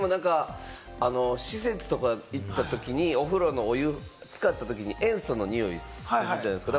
施設とか行ったときにお風呂のお湯につかったときに塩素のにおいするじゃないですか。